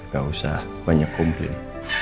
gak usah banyak kumpulin